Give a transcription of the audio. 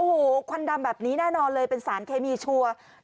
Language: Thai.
โอ้โหควันดำแบบนี้แน่นอนเลยเป็นสารเคมีชัวร์